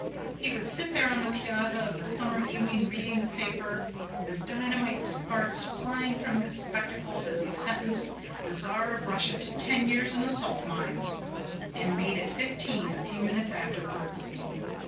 He would sit there on the piazza of a summer evening reading the paper, with dynamite sparks flying from his spectacles as he sentenced the Czar of Russia to ten years in the salt mines and made it fifteen a few minutes afterwards.